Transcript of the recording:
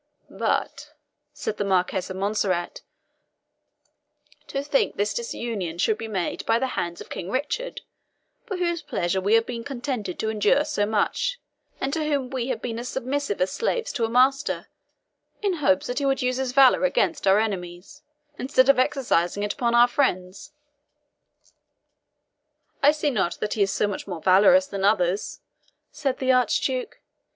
"But," said the Marquis of Montserrat, "to think this disunion should be made by the hands of King Richard, for whose pleasure we have been contented to endure so much, and to whom we have been as submissive as slaves to a master, in hopes that he would use his valour against our enemies, instead of exercising it upon our friends!" "I see not that he is so much more valorous than others," said the Archduke.